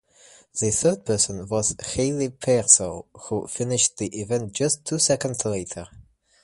The third person was Hayley Peirsol who finished the event just two seconds later.